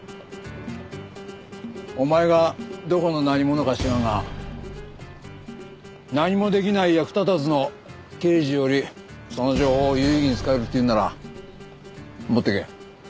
お前がどこの何者か知らんが何も出来ない役立たずの刑事よりその情報を有意義に使えるっていうなら持っていけ。